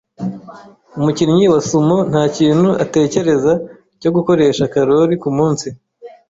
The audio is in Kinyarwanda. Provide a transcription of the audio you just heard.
Umukinnyi wa sumo ntakintu atekereza cyo gukoresha karori . kumunsi.